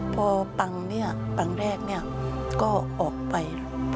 พอปังแรกก็ออกไป